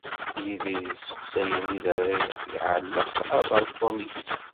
Yidir yesteqsay anida ara iɛelleq abalṭun-is.